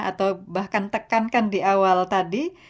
atau bahkan tekankan di awal tadi